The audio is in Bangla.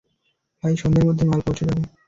ভাই, সন্ধ্যার মধ্যে মাল পৌঁছে যাবে।